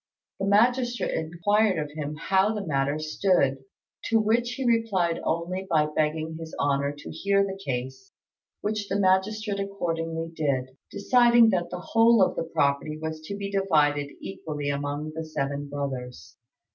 The magistrate inquired of him how the matter stood; to which he replied only by begging His Honour to hear the case; which the magistrate accordingly did, deciding that the whole of the property was to be divided equally among the seven brothers.